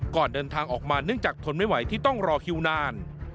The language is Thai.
ก่อนเดินทางออกมาเนื่องจากทนไม่ไหวที่ต้องรอคิวนาน